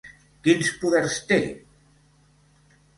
Quins poders té?